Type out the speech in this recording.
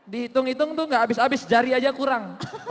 di hitung hitung itu gak habis habis jari aja kurang